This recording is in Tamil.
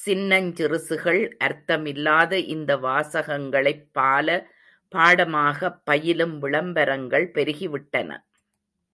சின்னஞ் சிறுசுகள் அர்த்தமில்லாத இந்த வாசகங்களைப் பால பாடமாகப் பயிலும் விளம்பரங்கள் பெருகிவிட்டன.